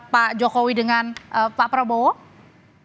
pak jokowi dengan pak prabowo